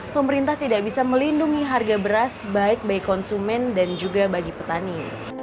pemerintah tidak bisa melindungi harga beras baik konsumen dan juga bagi petani